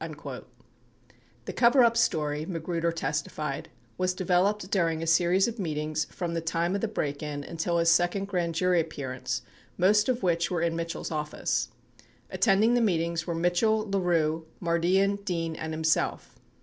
93 The coverup story, Magruder testified, was developed during a series of meetings from the time of the break in until his second grand jury appearance, most of which were in Mitchell's office. Attending the meetings were Mitchell, LaRue, Mardian, Dean and himself.